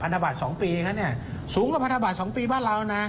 พันธบาท๒ปีครับเนี่ยสูงกว่าพันธบาท๒ปีบ้านเรานะ